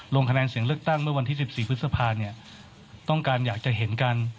ลงคะแนนเสียงเลือกตั้งเมื่อวันที่๑๔พฤษภาเนี่ยต้องการอยากจะเห็นกัน